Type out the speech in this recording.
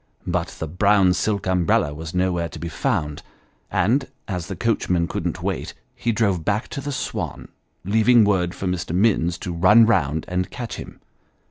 But, the brown silk umbrella was nowhere to be found ; and as the coachman couldn't wait, he drove back to the Swan, leaving word for Mr. Minns to " run round " and catch him.